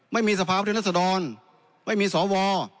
ไม่มีสะพาพันธุรัฐศดรไม่มีสว